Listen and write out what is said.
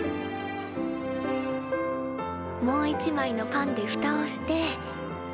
もう一枚のパンでふたをして。